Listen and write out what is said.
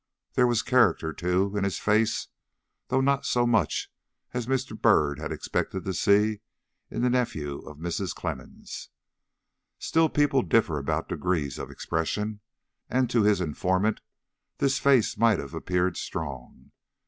There was character, too, in his face, though not so much as Mr. Byrd had expected to see in the nephew of Mrs. Clemmens. Still, people differ about degrees of expression, and to his informant this face might have appeared strong.